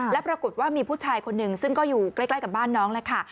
และปรากฏว่ามีผู้ชายคนหนึ่งซึ่งก็อยู่ใกล้กับบ้านน้องแหละค่ะ